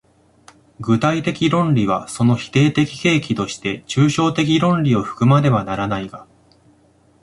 具体的論理はその否定的契機として抽象的論理を含まねばならないが、